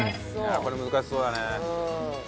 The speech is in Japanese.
これ難しそうだね。